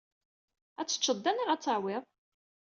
Ad t-teččeḍ da neɣ ad t-awiḍ?